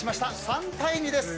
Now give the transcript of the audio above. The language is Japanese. ３対２です。